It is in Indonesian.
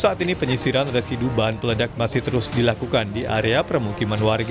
saat ini penyisiran residu bahan peledak masih terus dilakukan di area permukiman warga